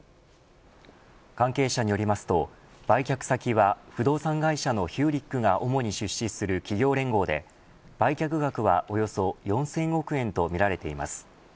関係者によりますと、売却先は不動産会社のヒューリックが主に出資する企業連合で売却額はおよそ４０００億円とみられています。